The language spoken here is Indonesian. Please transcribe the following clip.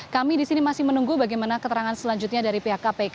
kami di sini masih menunggu bagaimana keterangan selanjutnya dari pihak kpk